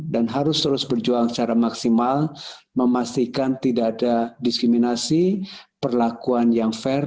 dan harus terus berjuang secara maksimal memastikan tidak ada diskriminasi perlakuan yang fair